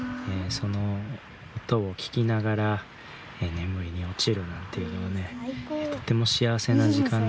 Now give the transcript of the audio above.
その音を聞きながら眠りに落ちるなんていうのはねとても幸せな時間ですね。